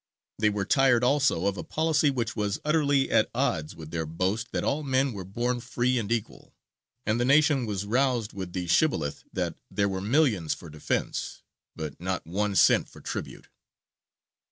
They were tired also of a policy which was utterly at odds with their boast that all men were born free and equal, and the nation was roused with the shibboleth that there were "millions for defence, but not one cent for tribute."